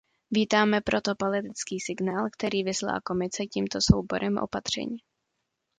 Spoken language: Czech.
Vítáme proto politický signál, který vyslala Komise tímto souborem opatření.